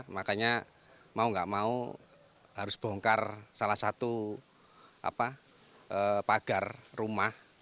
makanya mau gak mau harus bongkar salah satu pagar rumah